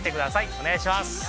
お願いします。